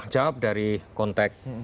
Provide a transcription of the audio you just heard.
jawab dari konteks